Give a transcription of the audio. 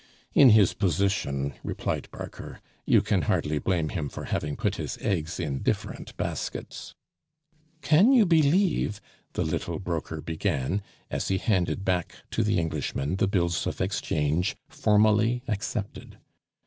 "In his position," replied Barker, "you can hardly blame him for having put his eggs in different baskets." "Can you believe " the little broker began, as he handed back to the Englishman the bills of exchange formally accepted.